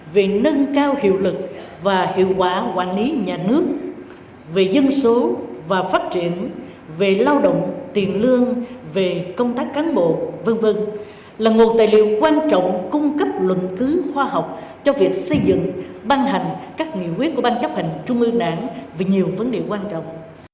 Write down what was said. về nâng cao hiệu lực và hiệu quả quản lý nhà nước về dân số và phát triển về lao động tiền lương về công tác cán bộ v v là một tài liệu quan trọng cung cấp luận cứu khoa học cho việc xây dựng ban hành các nghị quyết của ban chấp hành trung ương đảng về nhiều vấn đề quan trọng